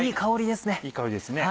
いい香りですね！